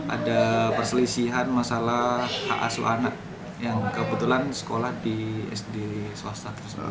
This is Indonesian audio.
ada perselisihan masalah hak asu anak yang kebetulan sekolah di sd swasta